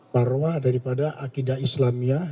marwah daripada akidah islamiyah